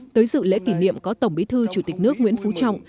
tới dự lễ kỷ niệm có tổng bí thư chủ tịch nước nguyễn phú trọng